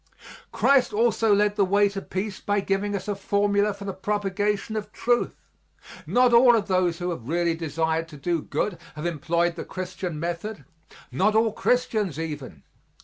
Christ also led the way to peace by giving us a formula for the propagation of truth. Not all of those who have really desired to do good have employed the Christian method not all Christians even.